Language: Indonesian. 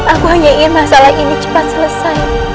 aku hanya ingin masalah ini cepat selesai